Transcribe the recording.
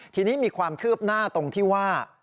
ทีนี้มีความคืบหน้าตรงที่ว่า